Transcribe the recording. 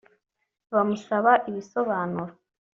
bamusaba ibisobanuro